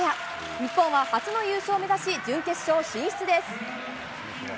日本は初の優勝を目指し準決勝進出です。